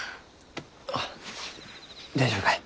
あっ大丈夫かえ？